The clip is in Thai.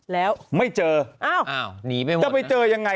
แต่ไม่เจอจะไปเจอยังไง